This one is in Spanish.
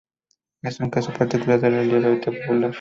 Es un caso particular del relieve tabular.